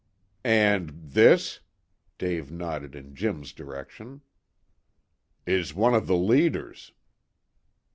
"And this?" Dave nodded in Jim's direction. "Is one of the leaders."